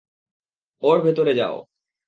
ওর ভেতরে যাও।